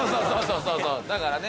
そうそうだからね。